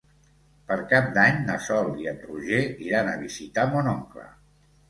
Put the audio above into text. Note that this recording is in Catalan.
Per Cap d'Any na Sol i en Roger iran a visitar mon oncle.